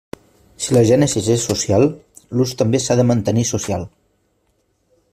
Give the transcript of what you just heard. Si la gènesi és social, l'ús també s'ha de mantenir social.